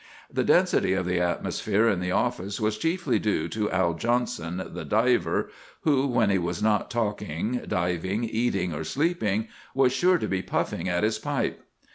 "The density of the atmosphere in the office was chiefly due to 'Al' Johnson, the diver, who, when he was not talking, diving, eating, or sleeping, was sure to be puffing at his pipe.